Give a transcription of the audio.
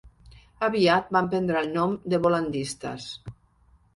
Aviat van prendre el nom de bol·landistes.